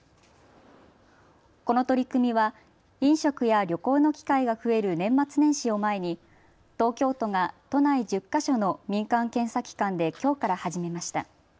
この取り組みは飲食や旅行の機会が増える年末年始を前に東京都が都内１０か所の民間検査機関できょうから始めました。